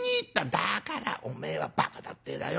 「だからおめえはばかだってえだよ。